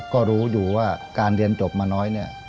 ก็รู้อยู่ว่าการเรียนจบมาน้อยเนี่ย